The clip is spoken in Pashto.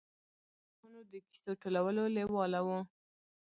د پاچاهانو د کیسو ټولولو لېواله و.